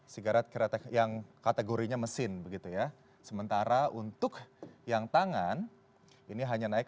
sigarat kereta yang kategorinya mesin begitu ya sementara untuk yang tangan ini hanya naik